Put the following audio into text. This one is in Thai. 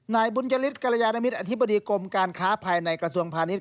นายบุญจริตกรยานมิรอธิบดีกรมการค้าภายในกระทรวงพาณิชย